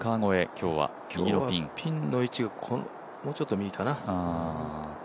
今日はピンの位置がもうちょっと右かな。